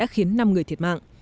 khiến năm người thiệt mạng